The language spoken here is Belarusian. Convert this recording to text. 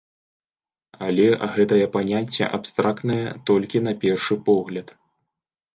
Але гэтае паняцце абстрактнае толькі на першы погляд.